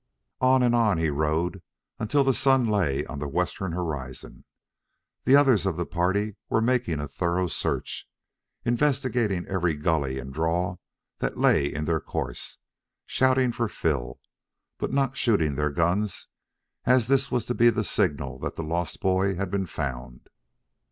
On and on he rode, until the sun lay on the western horizon. The others of the party were making a thorough search, investigating every gully and draw that lay in their course, shouting for Phil, hut not shooting their guns, as this was to be the signal that the lost boy had been found.